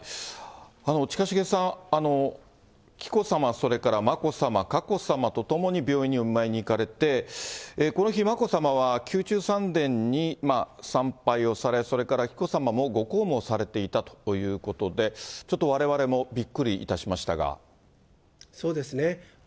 近重さん、紀子さま、それから眞子さま、佳子さまと共に病院にお見舞いに行かれて、この日、眞子さまは宮中三殿に参拝をされ、それから紀子さまもご公務をされていたということで、ちょっとわそうですね。